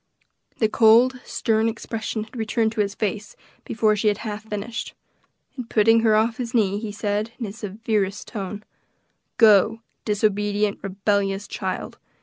The cold, stern expression had returned to his face before she had half finished, and putting her off his knee, he said, in his severest tone, "Go, disobedient, rebellious child!